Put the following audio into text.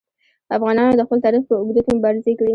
افغانانو د خپل تاریخ په اوږدو کې مبارزې کړي.